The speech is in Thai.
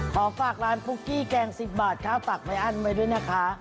ขอฝากร้านปุ๊กกี้แกง๑๐บาทข้าวตักไม่อั้นไว้ด้วยนะคะ